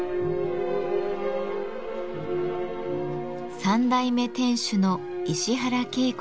３代目店主の石原圭子さん。